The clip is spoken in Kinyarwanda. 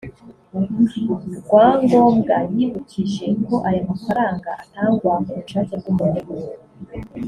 Rwangombwa yibukije ko aya mafaranga atangwa ku bushake bw’umuntu